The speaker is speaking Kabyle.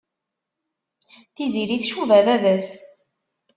Tiziri tcuba baba-s.